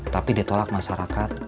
tapi ditolak masyarakat